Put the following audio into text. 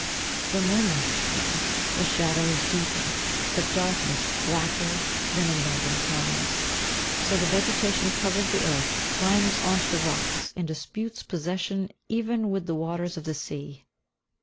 The moonlight is brighter, the shadows deeper, the darkness blacker than in northern climes. So the vegetation covers the earth, climbs on to the rocks, and disputes possession even with the waters of the sea.